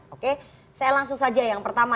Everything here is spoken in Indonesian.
oke saya langsung saja yang pertama